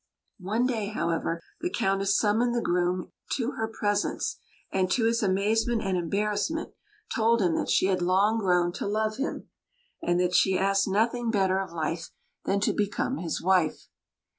One day, however, the Countess summoned the groom to her presence, and, to his amazement and embarrassment, told him that she had long grown to love him, and that she asked nothing better of life than to become his wife.